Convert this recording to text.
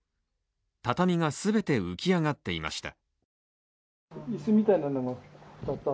畳が全て浮き上がっていました。